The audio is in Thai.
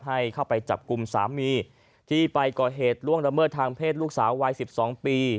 ให้เข้าไปจับกลุ่มสามีที่ไปก่อเหตุล่วงละเมิดทางเพศลูกสาววัย๑๒ปี